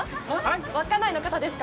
稚内の方ですか？